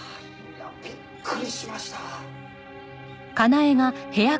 いやびっくりしました！